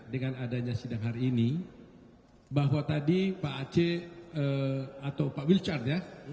dengan adanya sidang hari ini bahwa tadi pak aceh atau pak wilchard ya